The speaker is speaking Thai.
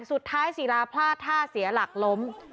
สุดท้ายศิลาพลาดท่าเสียหลักล้ม